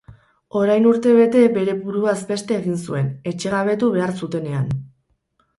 Orain urtebete bere buruaz beste egin zuen, etxegabetu behar zutenean.